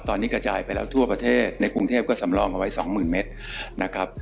ตอนนี้กระจายไปแล้วทั่วประเทศในกรุงเทพก็สำรองเอาไว้สองหมื่นเมตรนะครับ